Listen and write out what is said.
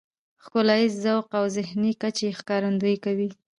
ښکلاييز ذوق او ذهني کچې ښکارندويي کوي .